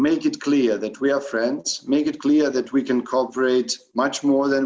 membuat jelas bahwa kita bisa berkomunikasi lebih banyak daripada sekarang